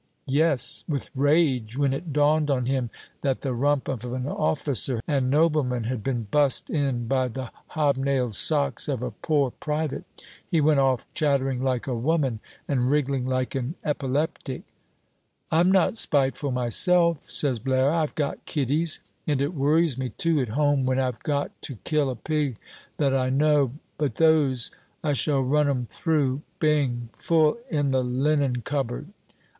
"Yes, with rage, when it dawned on him that the rump of an officer and nobleman had been bust in by the hobnailed socks of a poor private! He went off chattering like a woman and wriggling like an epileptic " "I'm not spiteful myself," says Blaire, "I've got kiddies. And it worries me, too, at home, when I've got to kill a pig that I know but those, I shall run 'em through Bing! full in the linen cupboard."